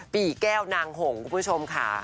ปีแก้วนางหงคุณผู้ชมค่ะ